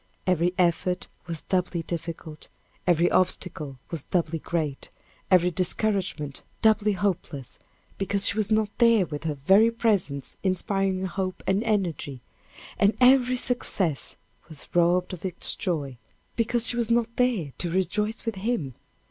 Every effort was doubly difficult; every obstacle was doubly great; every discouragement doubly hopeless, because she was not there with her very presence inspiring hope and energy and every success was robbed of its joy, because she was not there to rejoice with him.